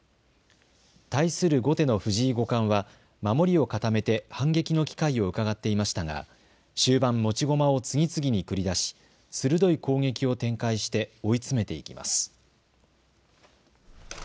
対する後手の藤井五冠は守りを固めて反撃の機会をうかがっていましたが終盤、持ち駒を次々に繰り出し鋭い攻撃を展開して追い詰めていきます。